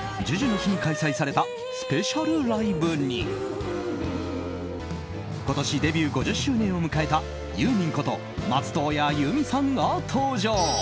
ＪＵＪＵの日に開催されたスペシャルライブに今年デビュー５０周年を迎えたユーミンこと松任谷由実さんが登場。